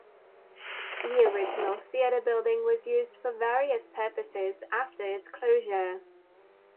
The original theater building was used for various purposes after its closure.